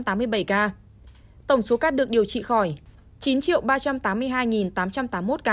tổng số ca được điều trị khỏi chín ba trăm tám mươi hai tám trăm tám mươi một ca